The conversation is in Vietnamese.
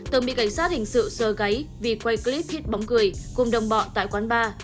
từng bị cảnh sát hình sự sơ gáy vì quay clip hít bóng cười cùng đồng bọ tại quán bar